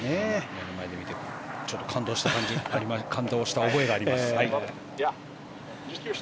目の前で見て感動した覚えがあります。